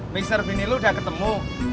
mister bini lu udah ketemu